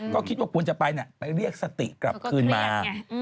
ก็คิดว่าควรจะไปไปเรียกสติกลับคืนมา